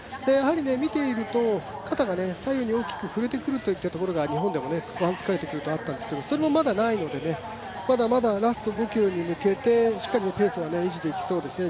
見ていると肩が左右に大きく振れてくるのが疲れてくるとあったんですけれども、それもまだないので、まだまだラスト５ｋｍに向けてしっかりペースは維持できそうですね。